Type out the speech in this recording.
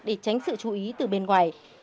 để tránh sự chú ý từ bên ngoài